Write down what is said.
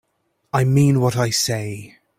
I mean what I say.